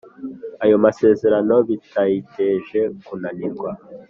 Ayo masezerano bitayiteje kunanirwa